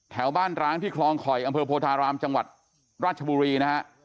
แถวบ้านร้างที่คลองคอยอำเภอโพธารามจังหวัดราชบุรีนะฮะ